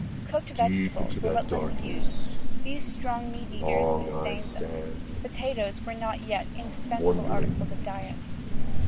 Cooked vegetables were but little used: these strong meat eaters disdained them; potatoes were not yet indispensable articles of diet.